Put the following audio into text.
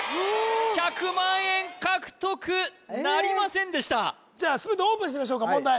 １００万円獲得なりませんでしたじゃあ全てオープンしてみましょうか問題